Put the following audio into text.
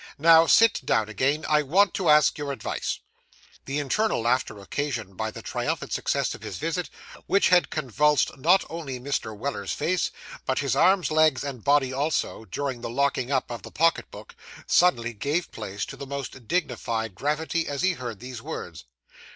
Now sit down again. I want to ask your advice.' The internal laughter occasioned by the triumphant success of his visit, which had convulsed not only Mr. Weller's face, but his arms, legs, and body also, during the locking up of the pocket book, suddenly gave place to the most dignified gravity as he heard these words.